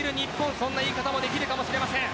そんな言い方もできるかもしれません。